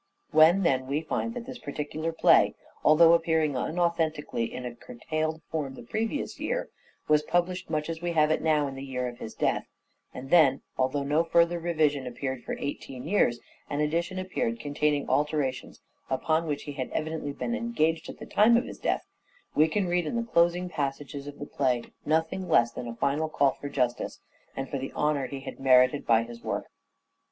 When, then, we find that this particular play, although appearing un authentically in a curtailed form the previous year, was published, much as we have it now, in the year of his death, and then, although no further revision appeared for eighteen years, an edition appeared DRAMATIC SELF REVELATION 485 containing alterations upon which he had evidently been engaged at the time of his death, we can read in these closing passages of the play nothing less than a final call for justice and for the honour he had merited by his work.